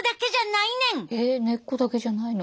えっ根っこだけじゃないの？